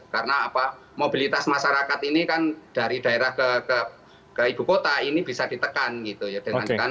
karena mobilitas masyarakat ini kan dari daerah ke ibu kota ini bisa ditekan gitu ya